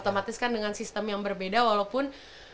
otomatis kan dengan sistem yang berbeda walaupun